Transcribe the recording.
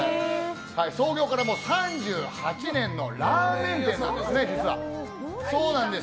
創業から３８年のラーメン店なんですね、実は。